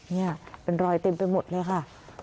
นี่เป็นรอยเต็มไปหมดเลยค่ะ